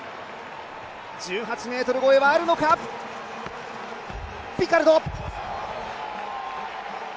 １８ｍ越えはあるのか、ピカルド。